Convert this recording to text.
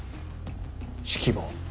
指揮棒。